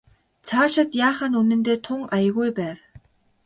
Цаашид яах нь үнэндээ тун аягүй байв.